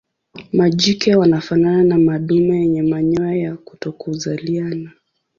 Majike wanafanana na madume yenye manyoya ya kutokuzaliana.